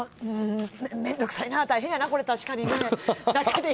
面倒くさいな大変やな、これ確かに。